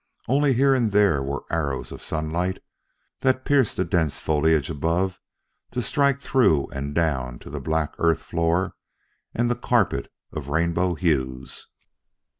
Only here and there were arrows of sunlight that pierced the dense foliage above to strike through and down to the black earth floor and the carpet of rainbow hues.